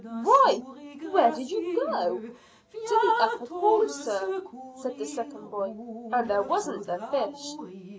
Why, where did you go?" "To the upper pool, sir," said the second boy, "and there wasn't a fish."